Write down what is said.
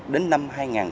đến năm hai nghìn hai mươi